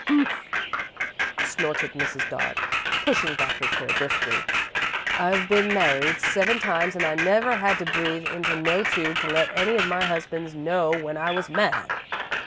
"Humph!" snorted Mrs. Dodd, pushing back her chair briskly. "I've been married seven times, an' I never had to breathe into no tube to let any of my husbands know when I was mad!"